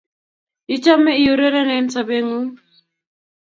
Ichome iurerenen sobeng'ung'